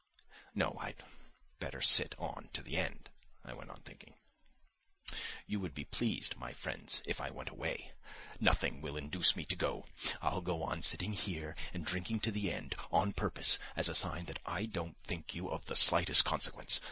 "No, I'd better sit on to the end," I went on thinking; "you would be pleased, my friends, if I went away. Nothing will induce me to go. I'll go on sitting here and drinking to the end, on purpose, as a sign that I don't think you of the slightest consequence.